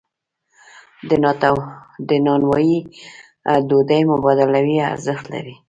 د نانوایی ډوډۍ مبادلوي ارزښت لري.